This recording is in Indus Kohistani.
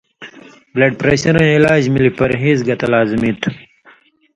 بلڈ پریشرَیں علاج ملی پرہیز گتہ لازمی تُھو